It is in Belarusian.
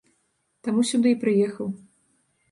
Таму сюды і прыехаў.